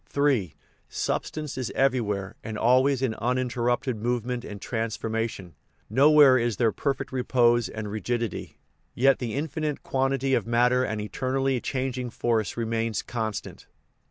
III. Substance is everywhere and always in unin terrupted movement and transformation: nowhere is there perfect repose and rigidity ; yet the infinite quan tity of matter and of eternally changing force remains constant.